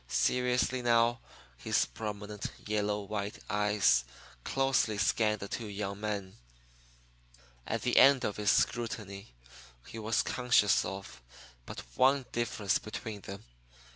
Seriously, now, his prominent, yellow white eyes closely scanned the two young men. At the end of his scrutiny he was conscious of but one difference between them.